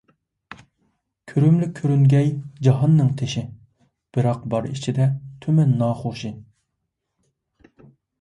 كۆرۈملۈك كۆرۈنگەي جاھاننىڭ تېشى، بىراق بار ئىچىدە تۈمەن ناخۇشى.